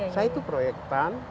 saya itu proyektan